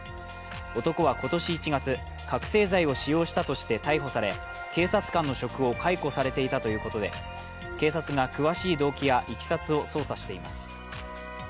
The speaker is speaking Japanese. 男は今年１月、覚醒剤を使用したとして逮捕され警察官の職を解雇されていたということで警察が詳しい動機やいきさつを捜査しています。